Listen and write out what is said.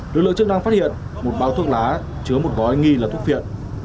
lực lượng chức năng phát hiện một báo thuốc lá chứa một gói nghi là thuốc phiện